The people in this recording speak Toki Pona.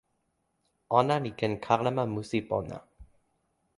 ona li ken kalama musi pona.